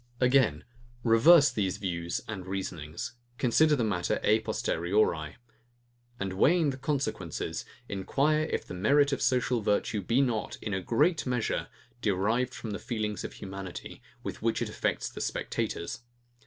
Again; reverse these views and reasonings: Consider the matter a posteriori; and weighing the consequences, enquire if the merit of social virtue be not, in a great measure, derived from the feelings of humanity, with which it affects the spectators.